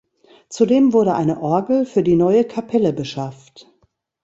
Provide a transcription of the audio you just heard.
Zudem wurde eine Orgel für die neue Kapelle beschafft.